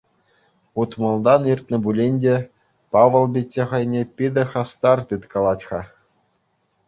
Утмӑлтан иртнӗ пулин те, Павӑл пичче хӑйне питӗ хастар тыткалать-ха.